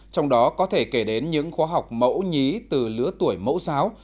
trong đó có thể kể đến những khóa học mẫu nhí từ lứa tuổi mẫu giáo